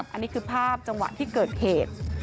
อันนี้คือภาพจังหวะที่เกิดเหตุ